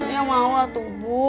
ya mau tuh bu